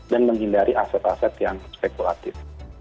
dan menghindari aset aset yang spekulatif